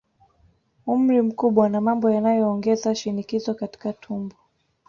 Umri mkubwa na mambo yanayoongeza shinikizo katika tumbo